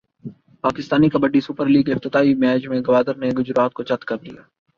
Pakistan kabaddi super لیگافتتاحی match میں گوادر نے گجرات کو چت کردیا